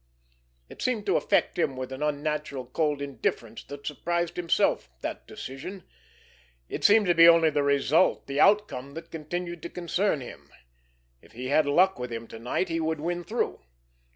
It seemed to affect him with an unnatural, cold indifference that surprised himself—that decision. It seemed to be only the result, the outcome that continued to concern him. If he had luck with him to night he would win through.